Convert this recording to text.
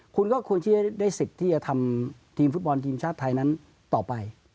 คุณก็ควรที่จะได้สิทธิ์ที่จะทำทีมฟุตบอลทีมชาติไทยนั้นต่อไป